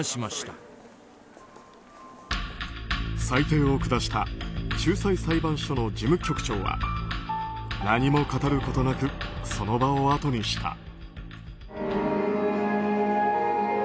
裁定を下した仲裁裁判所の事務局長は何も語ることなくその場を後にした。